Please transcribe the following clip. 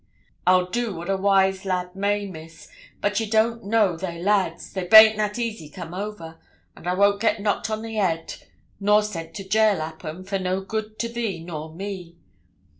'I'll do what a wise lad may, Miss; but ye don't know they lads; they bain't that easy come over; and I won't get knocked on the head, nor sent to gaol 'appen, for no good to thee nor me.